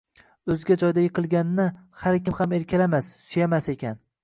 o’zga joyda yiqilganni har kim ham erkalamas, suyamas ekan…